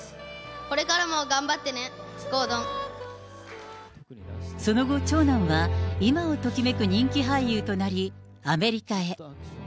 これからも頑張ってね、その後、長男は今をときめく人気俳優となり、アメリカへ。